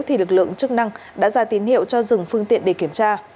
thì lực lượng chức năng đã ra tín hiệu cho dừng phương tiện để kiểm tra